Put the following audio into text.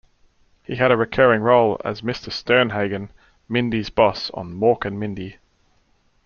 He had a recurring role as Mr. Sternhagen, Mindy's boss on "Mork & Mindy".